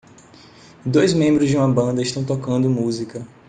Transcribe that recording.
Dois membros de uma banda estão tocando música.